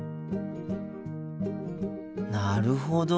なるほど。